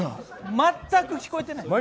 全く聞こえてない。